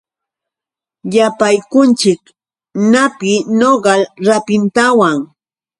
Yapaykunchik napi nogal rapintawan.